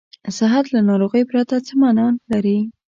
صحت له ناروغۍ پرته څه معنا لري.